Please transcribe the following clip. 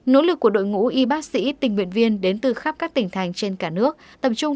nỗ lực của đội ngũ y bác sĩ tình nguyện viên đến từ khắp các tỉnh thành trên cả nước tập trung